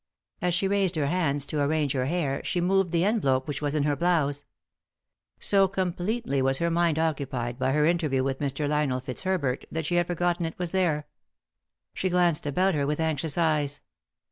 As she raised her hands to arrange her hair she moved the envelope which was in her blouse. So completely was her mind occupied by her interview with Mr. Lionel Fitzherbert that she had forgotten it was there. She glanced about her with anxious eyes.